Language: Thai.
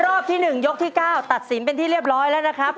รอบที่๑ยกที่๙ตัดสินเป็นที่เรียบร้อยแล้วนะครับ